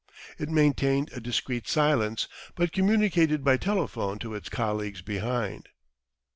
It maintained a discreet silence, but communicated by telephone to its colleagues behind.